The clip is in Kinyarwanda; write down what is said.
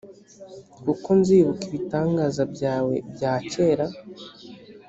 kuko nzibuka ibitangaza byawe bya kera